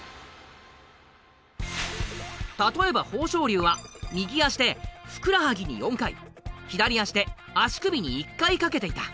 例えば豊昇龍は右足でふくらはぎに４回左足で足首に１回掛けていた。